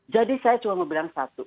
jadi saya cuma mau bilang satu